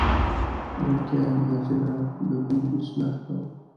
وړکیه ناظره ددوی اصلاح کوه.